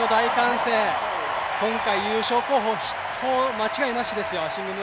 今回優勝候補筆頭間違いなしですよ。